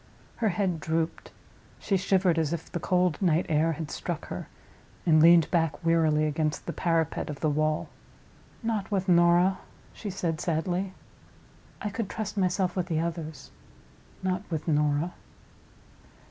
Her head drooped. She shivered as if the cold night air had struck her, and leaned back wearily against the parapet of the wall. "Not with Norah," she said, sadly. "I could trust myself with the others. Not with Norah."